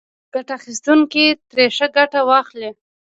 ګټه اخیستونکي ترې ښه ګټه واخلي.